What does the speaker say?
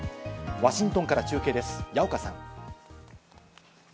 ワシントンから中継です、矢岡さん。